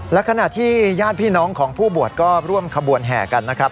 และขณะที่ญาติพี่น้องของผู้บวชก็ร่วมขบวนแห่กันนะครับ